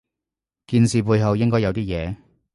件事背後應該有啲嘢